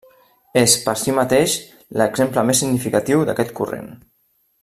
És, per si mateix, l'exemple més significatiu d'aquest corrent.